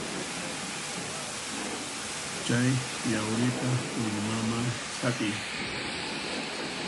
Chay yawrita willmaman sat'iy.